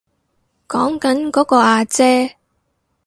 講緊嗰個阿姐